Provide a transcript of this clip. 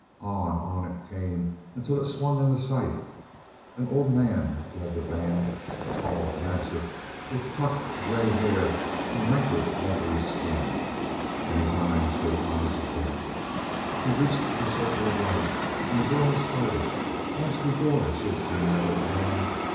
On, on it came, until it swung into sight. An old man led the band tall, massive, with tufted gray hair and wrinkled leathery skin, and his eyes were the eyes of death. He reached the circle of light, and Zora started: once before she had seen that old man.